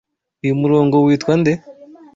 Uyu murongo witwa nde?